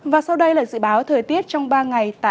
và sau đây là dự báo thời tiết trong ba ngày tại